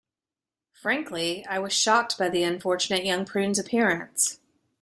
Frankly, I was shocked by the unfortunate young prune's appearance.